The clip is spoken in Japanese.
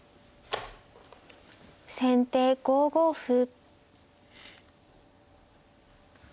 先手５五歩。